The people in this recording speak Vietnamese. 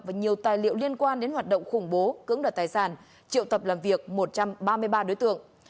và nhiều tài liệu liên quan đến hoạt động khủng bố cưỡng đoạt tài sản triệu tập làm việc một trăm ba mươi ba đối tượng